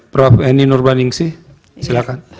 prof eni nurbaningsih silakan